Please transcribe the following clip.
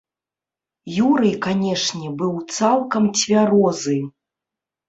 Юрый, канечне, быў цалкам цвярозы.